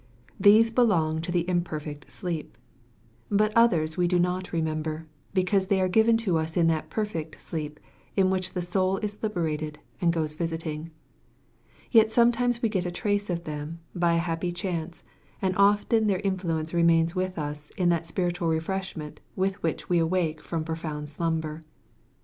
These belong to the imper fect sleep. But others we do not remember, be cause they are given to us in that perfect sleep in which the soul is liberated, and goes visiting. Yet sometimes we get a trace of them, by a happy chance, and often their influence remains with us in that spiritual refreshment with which we awake from profound slumber.